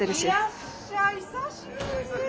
いらっしゃい久しぶり。